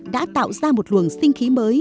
đã tạo ra một luồng sinh khí mới